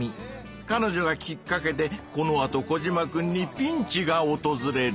かのじょがきっかけでこのあとコジマくんにピンチがおとずれる。